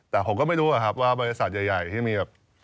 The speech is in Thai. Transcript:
แต่ผมก็ไม่รู้อะครับว่าบริษัทใหญ่ที่มีแบบ